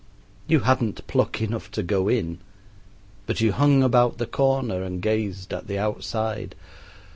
You hadn't pluck enough to go in, but you hung about the corner and gazed at the outside.